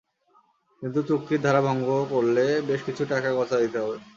কিন্তু চুক্তির ধারা ভঙ্গ করলে বেশ কিছু টাকা গচ্চা দিতে হবে।